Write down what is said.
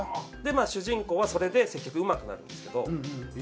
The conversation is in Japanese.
主人公はそれで接客うまくなるんですけど。